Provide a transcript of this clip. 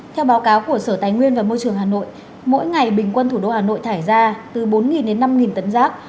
theo báo cáo của sở tài nguyên và môi trường hà nội mỗi ngày bình quân thủ đô hà nội thải ra từ bốn đến năm tấn rác